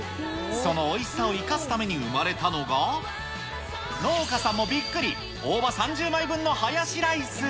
そのおいしさを生かすために生まれたのが、農家さんもびっくり、大葉３０枚分のハヤシライス。